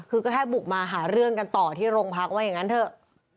คือก็แค่บุกมาหาเรื่องกันต่อที่โรงพักว่าอย่างนั้นเถอะ